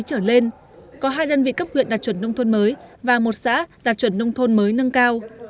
có hai đơn vị cấp nguyện đạt chuẩn nông thuận mới và một xã đạt chuẩn nông thuận mới nâng cao